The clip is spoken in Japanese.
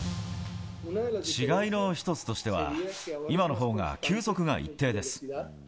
違いの一つとしては、今のほうが球速が一定です。